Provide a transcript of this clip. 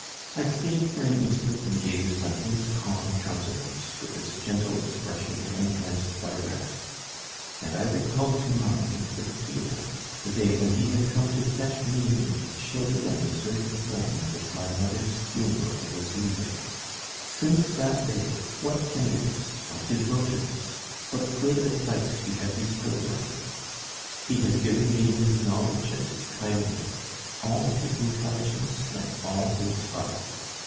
I stayed for an instant and gazed on his calm countenance, with its gentle expression enhanced by rest, and I recalled to mind with feeling the day when he had come to fetch me in the chilly and deserted home which my mother's funeral was leaving. Since that day, what tenderness, what devotedness, what good advice he had bestowed on me! He had given me his knowledge and his kindness, all his intelligence and all his heart.